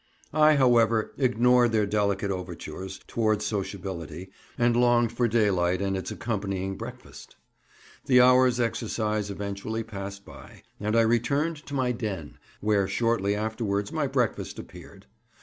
I, however, ignored their delicate overtures towards sociability, and longed for daylight and its accompanying breakfast. The hour's exercise eventually passed by, and I returned to my den, where shortly afterwards my breakfast appeared.